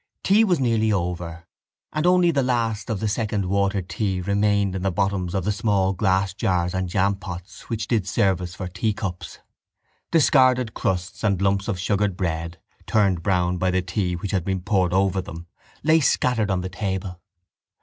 Tea was nearly over and only the last of the second watered tea remained in the bottoms of the small glass jars and jampots which did service for teacups. Discarded crusts and lumps of sugared bread, turned brown by the tea which had been poured over them, lay scattered on the table.